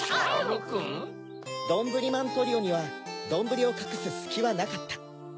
どんぶりまんトリオにはどんぶりをかくすすきはなかった。